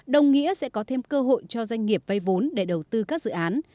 đồng nghĩa sẽ có thêm cơ hội cho doanh nghiệp vay vốn để đầu tư các dự án